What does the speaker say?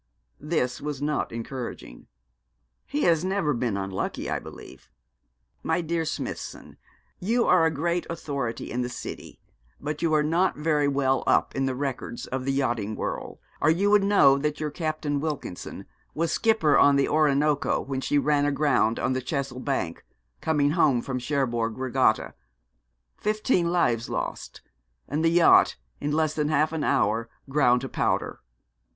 This was not encouraging. 'He has never been unlucky, I believe.' 'My dear Smithson, you are a great authority in the City, but you are not very well up in the records of the yachting world, or you would know that your Captain Wilkinson was skipper on the Orinoco when she ran aground on the Chesil Bank, coming home from Cherbourg Regatta, fifteen lives lost, and the yacht, in less than half an hour, ground to powder.